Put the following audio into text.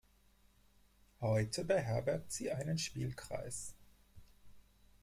Heute beherbergt sie einen Spielkreis.